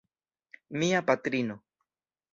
Mia patrino.